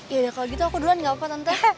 yaudah kalau gitu aku duluan gak apa apa tante